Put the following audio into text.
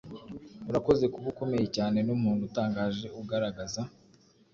urakoze kuba ukomeye cyane numuntu utangaje ugaragaza